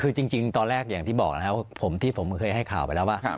คือจริงตอนแรกอย่างที่บอกนะครับผมที่ผมเคยให้ข่าวไปแล้วว่า